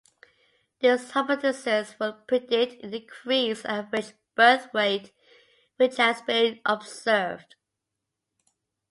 This hypothesis would predict an increased average birth weight, which has been observed.